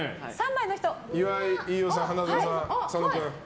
岩井、飯尾さん、花澤さん佐野君。